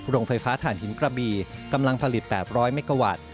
โรงไฟฟ้าฐานหินกระบีกำลังผลิต๘๐๐เมกาวัตต์